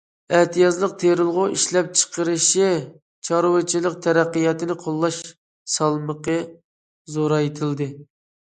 ئەتىيازلىق تېرىلغۇ ئىشلەپچىقىرىشى، چارۋىچىلىق تەرەققىياتىنى قوللاش سالمىقى زورايتىلدى.